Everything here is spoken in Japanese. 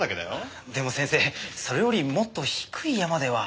でも先生それよりもっと低い山では。